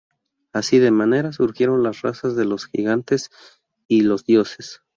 Así, de manera, surgieron las razas de los gigantes y los dioses.